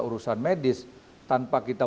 urusan medis tanpa kita